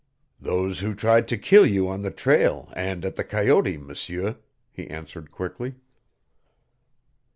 "Those who tried to kill you on the trail and at the coyote, M'seur," he answered quickly.